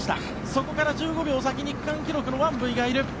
そこから１５秒先に区間記録のワンブィがいる。